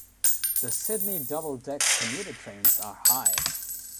The Sydney double deck commuter trains are high.